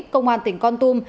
công an tỉnh con tum